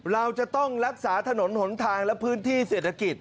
เราจะต้องรักษาถนนหนทางและพื้นที่เศรษฐกิจ